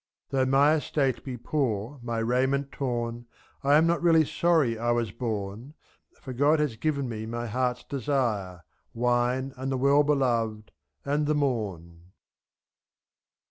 37 Though my estate be poor, my rahnent torn, I am not really sorry I was borriy %£' For God has given me my heart's desire — Wine, and the Well Beloved, and the morn.